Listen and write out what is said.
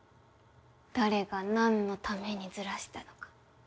誰が何のためにずらしたのか？